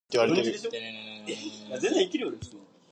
Most of the students are from Ramat Beit Shemesh Alef.